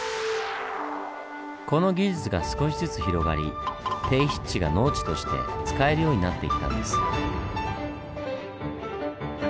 この技術が少しずつ広がり低湿地が農地として使えるようになっていったんです。